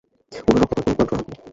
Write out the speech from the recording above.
উনার রক্ত পান করুন, মাংস আহার করুন!